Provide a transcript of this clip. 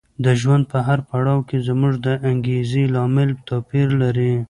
د ژوند په هر پړاو کې زموږ د انګېزې لامل توپیر لري.